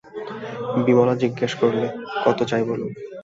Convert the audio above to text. বিমলা জিজ্ঞাসা করলে, কত চাই বলুন।